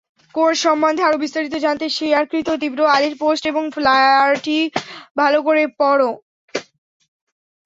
Course সম্মন্ধে আরো বিস্তারিত জানতে শেয়ারকৃত তীব্র আলীর পোস্ট এবং ফ্লায়ারটি ভালো করে পড়।